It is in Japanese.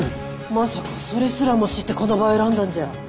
まさかそれすらも知ってこの場を選んだんじゃ。